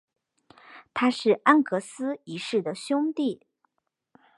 他是安格斯一世的兄弟。